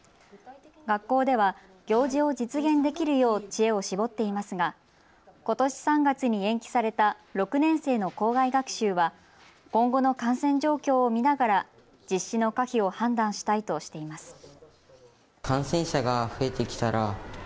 学校では、行事を実現できるよう知恵を絞っていますがことし３月に延期された６年生の校外学習は今後の感染状況を見ながら実施の可否を判断したいとしています。